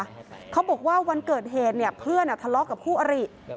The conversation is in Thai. พี่บังคาบอกว่าวันเกิดเหตุเพื่อนทะเลาะกับผู้อริ